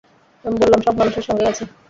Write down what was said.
আমি বললাম, সব মানুষের সঙ্গেই আছে?